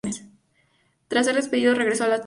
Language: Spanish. Tras ser despedido, regresó a los Charge.